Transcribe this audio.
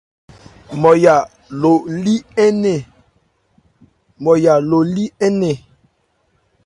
Nmɔya ole lí nnɛn.